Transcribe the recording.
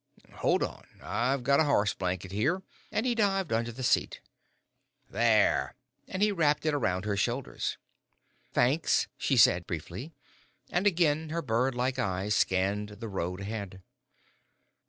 "Hold on; I've got a horse blanket here," and he dived under the seat. "There!" and he wrapped it around her shoulders. "Thanks," she said, briefly, and again her bird like eyes scanned the road ahead.